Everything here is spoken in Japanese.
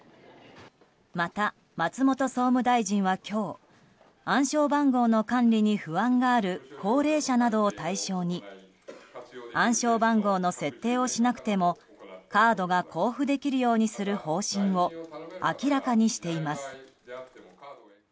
また、松本総務大臣は今日暗証番号の管理に不安がある高齢者などを対象に暗証番号の設定をしなくてもカードが交付できるようにする方針を明らかにしています。